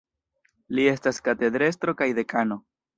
Li estas katedrestro kaj dekano.